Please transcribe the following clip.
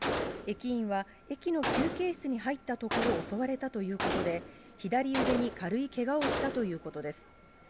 駅員は、駅の休憩室に入ったところを襲われたということで、左腕に軽いけがをしたということです。